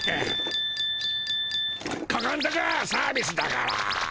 ここんとこはサービスだから。